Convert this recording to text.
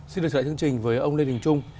xin được trở lại chương trình với ông lê đình trung